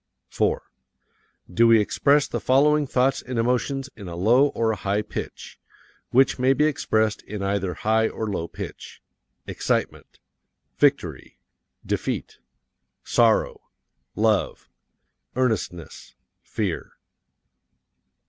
4. Do we express the following thoughts and emotions in a low or a high pitch? Which may be expressed in either high or low pitch? Excitement. Victory. Defeat. Sorrow. Love. Earnestness. Fear.